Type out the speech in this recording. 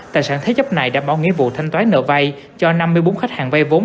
tài sản thế chấp này đảm bảo nghĩa vụ thanh toán nợ vay cho năm mươi bốn khách hàng vay vốn